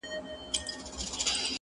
نه وزیر نه سلاکار یمه زما وروره-